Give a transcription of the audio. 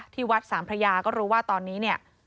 ที่วัดสามพระยาก็รู้ว่าตอนนี้เนี่ย